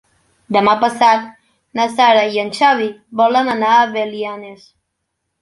Demà passat na Sara i en Xavi volen anar a Belianes.